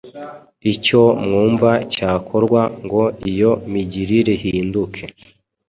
icyo mwumva cyakorwa ngo iyo migirireihinduke.